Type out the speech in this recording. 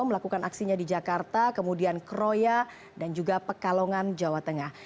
melakukan aksinya di jakarta kemudian kroya dan juga pekalongan jawa tengah